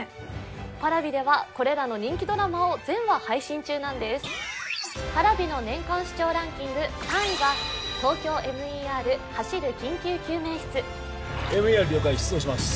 Ｐａｒａｖｉではこれらの人気ドラマを全話配信中なんですＰａｒａｖｉの年間視聴ランキング３位は「ＴＯＫＹＯＭＥＲ走る緊急救命室」ＭＥＲ了解出動します